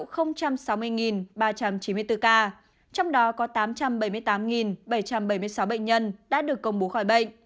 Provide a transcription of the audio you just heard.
trong đó có tám trăm bảy mươi tám bảy trăm bảy mươi sáu bệnh nhân đã được công bố khỏi bệnh